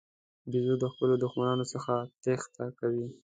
بیزو د خپلو دښمنانو څخه تېښته کوي.